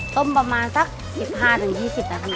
ต้มประมาณสัก๑๕๒๐นาที